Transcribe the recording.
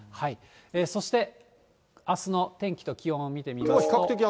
そして、あすの天気と気温を見てみましょう。